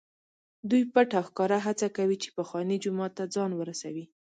دوی پټ او ښکاره هڅه کوي چې پخواني جومات ته ځان ورسوي.